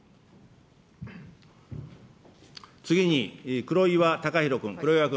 次に、黒岩宇洋君。